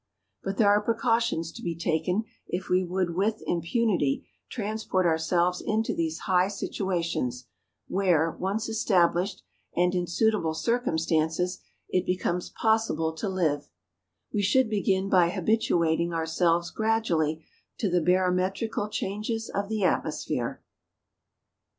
But there are precautions to be taken if we would with impunity transport ourselves into these high situations, where, once established, and in suitable circumstances, it becomes possible to live : we should begin by habituating ourselves gra¬ dually to the barometrical changes of the atmo¬ sphere.